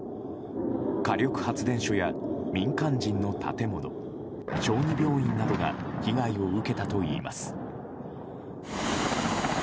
火力発電所や民間人の建物小児病院などが被害を受けたといいます。